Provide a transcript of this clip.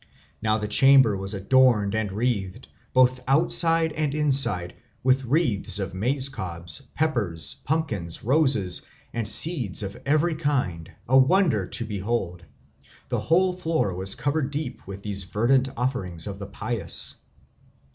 Now the chamber was adorned and wreathed, both outside and inside, with wreaths of maize cobs, peppers, pumpkins, roses, and seeds of every kind, a wonder to behold; the whole floor was covered deep with these verdant offerings of the pious.